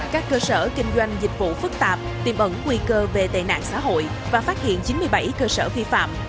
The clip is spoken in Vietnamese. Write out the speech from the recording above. các cơ sở kinh doanh dịch vụ phức tạp tìm ẩn nguy cơ về tài nạn xã hội và phát hiện chín mươi bảy cơ sở phi phạm